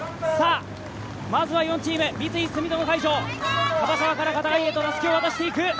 まずは４チーム、三井住友海上、樺沢から片貝へとたすきを渡していく。